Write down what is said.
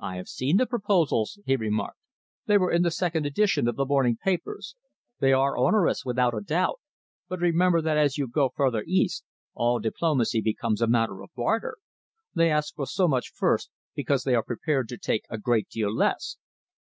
"I have seen the proposals," he remarked. "They were in the second edition of the morning papers. They are onerous, without a doubt, but remember that as you go further east, all diplomacy becomes a matter of barter. They ask for so much first because they are prepared to take a great deal less."